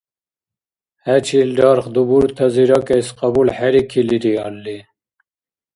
ХӀечил рарх дубуртази ракӀес кьабулхӀерикили риалли?